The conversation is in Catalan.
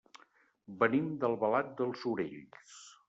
Venim d'Albalat dels Sorells.